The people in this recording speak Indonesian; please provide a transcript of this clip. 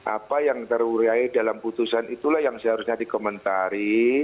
apa yang terurai dalam putusan itulah yang seharusnya dikomentari